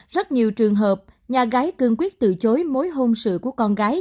rất nhiều trường hợp nhà gái cương quyết từ chối mối hung sự của con gái